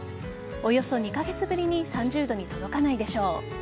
およそ２カ月ぶりに３０度に届かないでしょう。